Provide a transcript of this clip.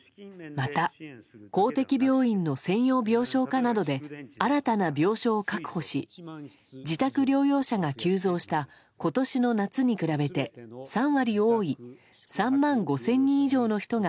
また、公的病院の専用病床化などで新たな病床を確保し自宅療養者が急増した今年の夏に比べて３割多い３万５０００人以上の人が